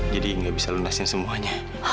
jadi gak bisa lunasin semuanya